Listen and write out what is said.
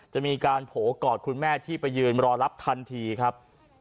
จะมีการโผล่กอดคุณแม่ที่ไปยืนรอรับทันทีครับ